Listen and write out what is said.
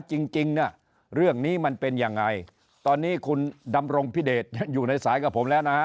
จริงจริงเนี่ยเรื่องนี้มันเป็นยังไงตอนนี้คุณดำรงพิเดชอยู่ในสายกับผมแล้วนะฮะ